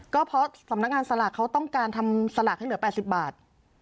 ก็เพราะสำนักงานสลากเขาต้องการทำสลากให้เหลือ๘๐บาท